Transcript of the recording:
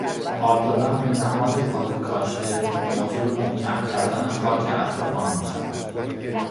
آب دادن به نهال تازه کاشته موجب محکم کردن خاک اطراف آن میشود.